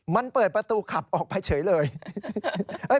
มันเปิดประตูขับออกไปเฉยเลย